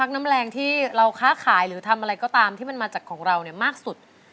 ของเราเนี่ยมากสุด